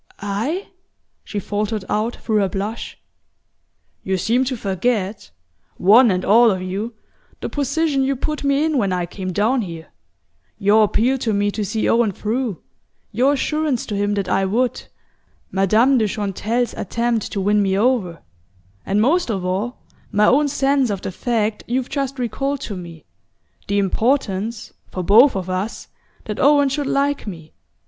"I?" she faltered out through her blush. "You seem to forget, one and all of you, the position you put me in when I came down here: your appeal to me to see Owen through, your assurance to him that I would, Madame de Chantelle's attempt to win me over; and most of all, my own sense of the fact you've just recalled to me: the importance, for both of us, that Owen should like me.